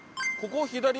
ここを左？